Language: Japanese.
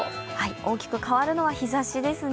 大きく変わるのは日ざしですね。